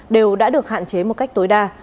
đều đã được hạn chế một cách tối đa